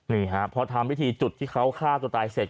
นี่ฮะพอทำวิธีจุดที่เขาฆ่าตัวตายเสร็จ